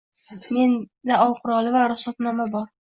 Menda ov quroli va ruxsatnoma bor.